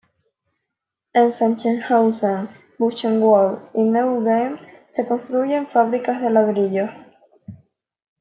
En Sachsenhausen, Buchenwald y Neuengamme se construyen fábricas de ladrillos.